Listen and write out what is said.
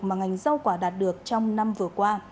mà ngành rau quả đạt được trong năm vừa qua